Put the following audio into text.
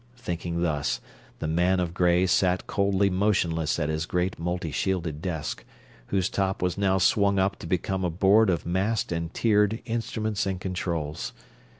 Thinking thus, the man of gray sat coldly motionless at his great multi shielded desk, whose top was now swung up to become a board of massed and tiered instruments and controls.